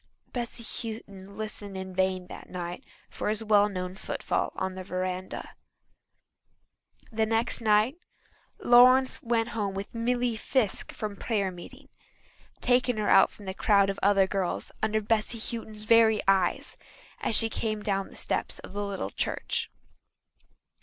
Bessy Houghton listened in vain that night for his well known footfall on the verandah. The next night Lawrence went home with Milly Fiske from prayer meeting, taking her out from a crowd of other girls under Bessy Houghton's very eyes as she came down the steps of the little church.